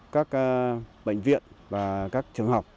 các bệnh viện và các trường học